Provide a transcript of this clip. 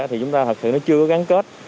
thì chúng ta thật sự nó chưa gắn kết